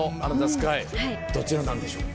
スカイどちらなんでしょう？